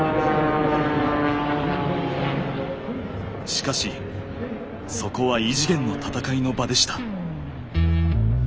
しかしそこは異次元の闘いの場でした。